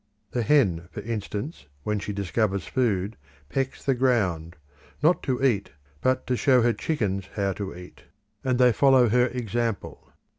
The hen, for instance, when she discovers food, pecks the ground, not to eat, but to show her chickens how to eat, and they follow her example.